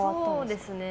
そうですね。